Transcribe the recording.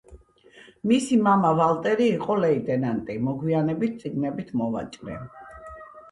მისი მამა ვალტერი იყო ლეიტენანტი, მოგვიანებით წიგნებით მოვაჭრე.